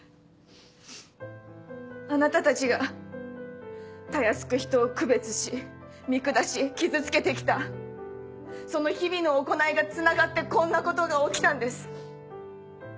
あなたたちがたやすく人を区別し見下し傷つけてきたその日々の行いがつながってこんなことが起きたんです。